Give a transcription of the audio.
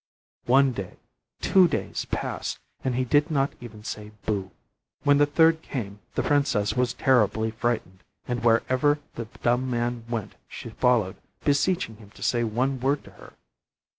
One day, two days passed, and he did not even say boo. When the third came the princess was terribly frightened, and wherever the dumb man went she followed, beseeching him to say one word to her.